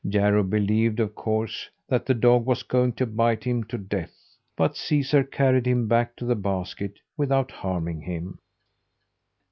Jarro believed, of course, that the dog was going to bite him to death; but Caesar carried him back to the basket without harming him.